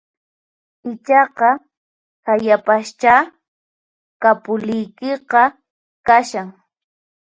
Ichaqa hayapaschá kapuliykiqa kashan